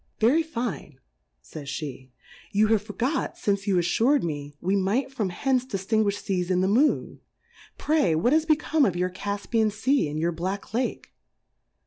Very fine, faysjlje^ you have forgot fmce you afTur'd me, we might from hence di ftinguifh Seas in the Moon. Pray, what is become of your Cffpian Sea, and your B^ack Lake